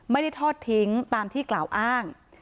ไม่ได้ทอดทิ้งตามที่กล่าวอ้าง